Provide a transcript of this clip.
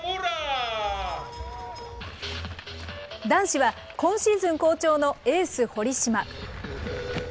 男子は今シーズン好調のエース、堀島。